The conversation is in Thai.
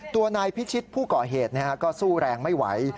ตัวนายพิชิตผู้ก่อเหตุก็สู้แรงไม่ไหว